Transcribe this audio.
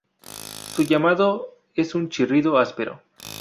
Su llamado es un chirrido áspero.